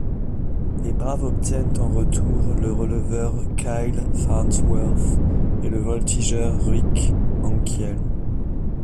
Les Braves obtiennent en retour le releveur Kyle Farnsworth et le voltigeur Rick Ankiel.